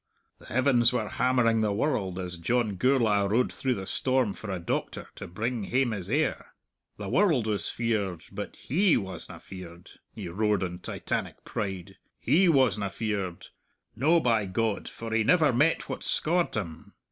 The heavens were hammering the world as John Gourla' rode through the storm for a doctor to bring hame his heir. The world was feared, but he wasna feared," he roared in Titanic pride, "he wasna feared; no, by God, for he never met what scaured him!...